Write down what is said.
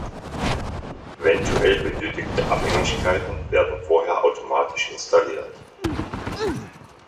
Eventuell benötigte Abhängigkeiten werden vorher automatisch installiert.